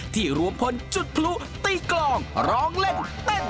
รวมพลจุดพลุตีกลองร้องเล่นเต้น